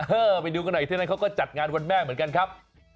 ไปดูกันหน่อยที่นั่นเขาก็จัดงานวันแม่เหมือนกันครับ